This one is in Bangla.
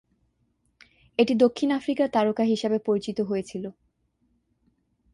এটি দক্ষিণ আফ্রিকার তারকা হিসাবে পরিচিত হয়েছিল।